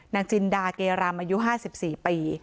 นางจินดาเกยรามอายุ๕๔ปี